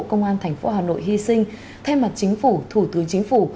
công an tp hà nội hy sinh thay mặt chính phủ thủ tướng chính phủ